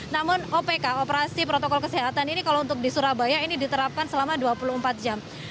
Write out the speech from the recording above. namun opk operasi protokol kesehatan ini kalau untuk di surabaya ini diterapkan selama dua puluh empat jam